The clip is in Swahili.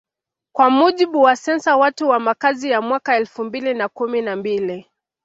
Kwa mujibu wasensa Watu na Makazi ya mwaka elfu mbili na kumi na mbili